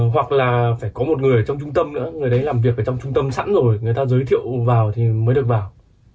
hoặc là phải có một người trong trung tâm nữa người đấy làm việc ở trong trung tâm sẵn rồi người ta giới thiệu vào thì mới được vào